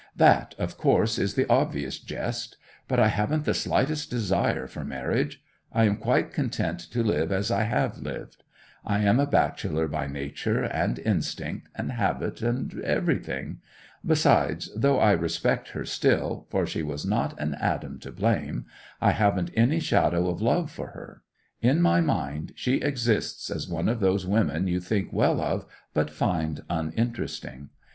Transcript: That, of course, is the obvious jest. But I haven't the slightest desire for marriage; I am quite content to live as I have lived. I am a bachelor by nature, and instinct, and habit, and everything. Besides, though I respect her still (for she was not an atom to blame), I haven't any shadow of love for her. In my mind she exists as one of those women you think well of, but find uninteresting.